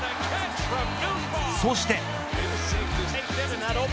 そして。